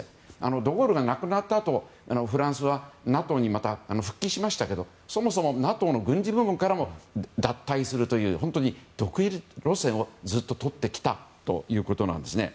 ド・ゴールが亡くなったあとフランスはまたＮＡＴＯに復帰しましたけど、そもそもＮＡＴＯの軍事部門からも脱退するという独自路線をずっととってきたんですよね。